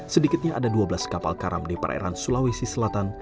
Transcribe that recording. sedikitnya ada dua belas kapal karam di perairan sulawesi selatan